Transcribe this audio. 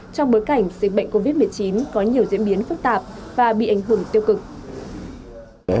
trong bối cảnh dịch bệnh covid một mươi chín có nhiều diễn biến phức tạp và bị ảnh hưởng tiêu cực